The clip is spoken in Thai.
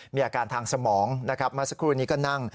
มีอาการทางสมองนะครับเมื่อสักครู่นี้ก็นั่ง